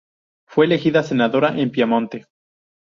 Fue elegida senadora en Piamonte.